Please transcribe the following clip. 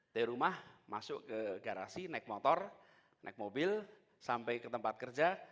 dari rumah masuk ke garasi naik motor naik mobil sampai ke tempat kerja